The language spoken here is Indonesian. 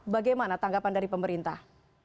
bagaimana tanggapan dari pemerintah